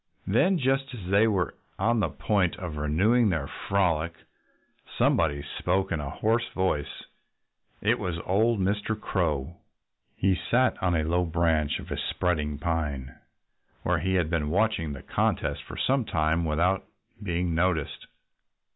Then, just as they were on the point of renewing their frolic, somebody spoke in a hoarse voice. It was old Mr. Crow. He sat on a low branch of a spreading pine, where he had been watching the contest for some time without being noticed.